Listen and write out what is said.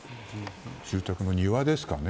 住宅の庭ですかね